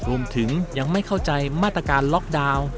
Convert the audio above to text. รวมถึงยังไม่เข้าใจมาตรการล็อกดาวน์